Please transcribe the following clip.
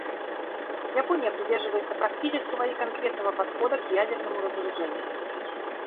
Япония придерживается практического и конкретного подхода к ядерному разоружению.